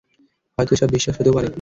হয়তো এসব বিশ্বাস হতেও পারে!